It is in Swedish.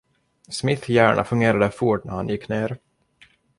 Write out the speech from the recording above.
Smith hjärna fungerade fort när han gick ner.